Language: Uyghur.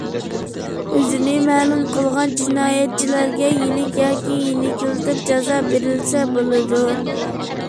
ئۆزىنى مەلۇم قىلغان جىنايەتچىلەرگە يېنىك ياكى يېنىكلىتىپ جازا بېرىلسە بولىدۇ.